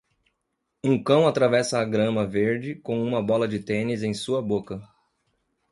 Um cão atravessa a grama verde com uma bola de tênis em sua boca.